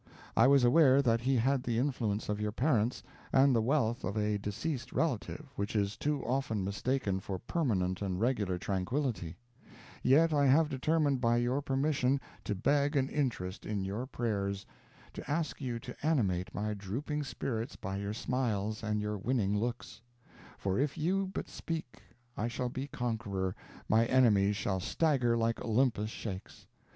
I was aware that he had the influence of your parents, and the wealth of a deceased relative, which is too often mistaken for permanent and regular tranquillity; yet I have determined by your permission to beg an interest in your prayers to ask you to animate my drooping spirits by your smiles and your winning looks; for if you but speak I shall be conqueror, my enemies shall stagger like Olympus shakes.